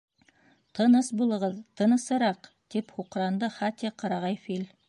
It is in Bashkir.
— Тыныс булығыҙ, тынысыраҡ, — тип һуҡранды Хати, ҡырағай фил.